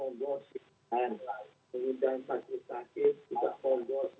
oleh itu semua kita kembalikan